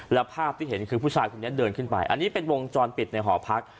แล้วภาพที่เห็นคือผู้ชายคนนี้เดินขึ้นไปอันนี้เป็นวงจรปิดในหอพัก